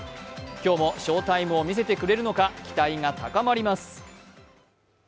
今日も翔タイムを見せてくれるのか、期待が高まります。